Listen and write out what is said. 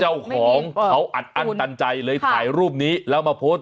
เจ้าของเขาอัดอั้นตันใจเลยถ่ายรูปนี้แล้วมาโพสต์